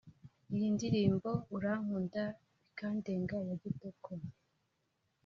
Iyi ndirimbo Urankunda bikandenga ya Kitoko